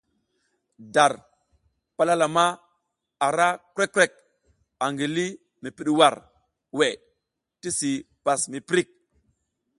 Dar palalama ara krǝc krǝc angi li mi pǝɗwar weʼe tisi pas miprik.